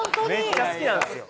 めっちゃ好きなんすよ